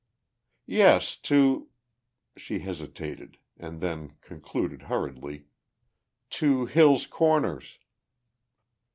"Yes. To ..." she hesitated, and then concluded hurriedly, "To Hill's Corners."